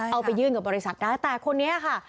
เอาไปยื่นกับบริษัทได้แต่คนนี้ค่ะ